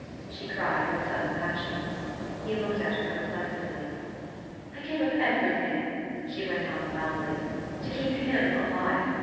she cried with sudden passion. He looked at her perplexedly. "I gave up everything," she went on wildly, "to keep him alive.